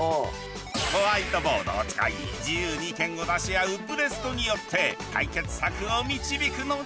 ホワイトボードを使い自由に意見を出し合うブレストによって解決策を導くのじゃ！